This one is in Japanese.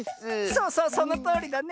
そうそうそのとおりだね。